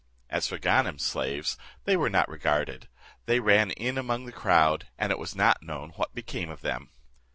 As for Ganem's slaves, they were not regarded; they ran in among the crowd, and it was not known what became of them.